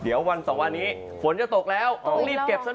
เดี๋ยววันสองวันนี้ฝนจะตกแล้วรีบเก็บซะหน่อย